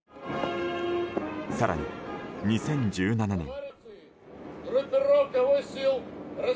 更に、２０１７年。